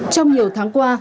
trong nhiều tháng qua